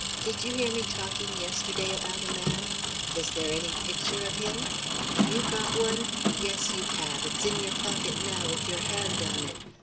Did you hear me talking yesterday about a man? Is there any picture of him? Have you got one? Yes, you have; it's in your pocket now with your hand on it.